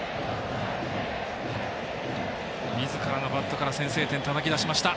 みずからのバットから先制点、たたき出しました。